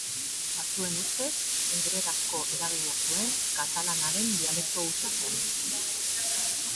Batzuen ustez, hebreerazko eragina zuen katalanaren dialekto hutsa zen.